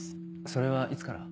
それはいつから？